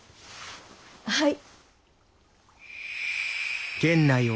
はい。